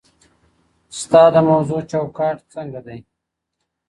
ستا د موضوع چوکاټ څنګه دی؟